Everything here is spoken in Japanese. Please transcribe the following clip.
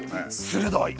鋭い！